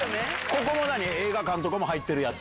ここも映画館とか入ってるやつ？